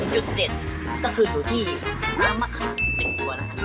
จุดเด็ดก็คืออยู่ที่น้ำมะคามจึงตัวแล้วนะครับ